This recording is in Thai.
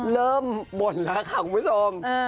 เริ่มหมดแล้วค่ะคุณผู้ชม